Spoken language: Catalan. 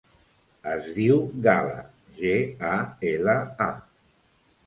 Es diu Gala: ge, a, ela, a.